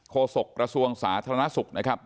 โศกระทรวงสาธารณสุขนะครับ